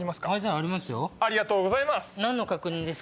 ありがとうございます！